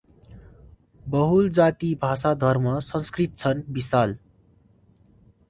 बहुल जाति, भाषा, धर्म, संस्कृति छन् विशाल